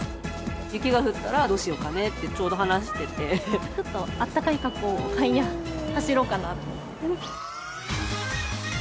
雪が降ったらどうしようかねって、ちょっとあったかい格好を買いに走ろうかなと。